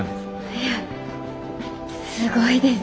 いやすごいです。